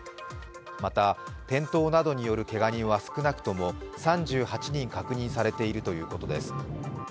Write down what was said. また、転倒などによるけが人は少なくとも３８人確認されているということです。